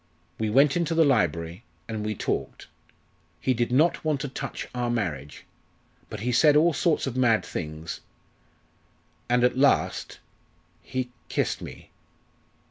We went into the library, and we talked. He did not want to touch our marriage, but he said all sorts of mad things, and at last he kissed me."